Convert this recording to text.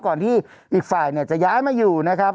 ก่อนที่อีกฝ่ายเนี่ยจะย้ายมาอยู่นะครับ